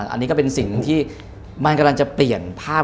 อันนี้ก็เป็นสิ่งที่มันกำลังจะเปลี่ยนภาพ